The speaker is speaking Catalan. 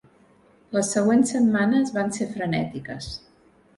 Les següents setmanes van ser frenètiques.